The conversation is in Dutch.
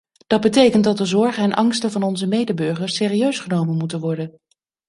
Dat betekent dat de zorgen en angsten van onze medeburgers serieus genomen moeten worden.